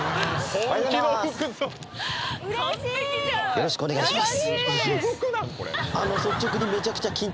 よろしくお願いします